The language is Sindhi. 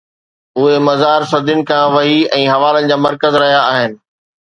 اهي مزار صدين کان وحي ۽ حوالن جا مرڪز رهيا آهن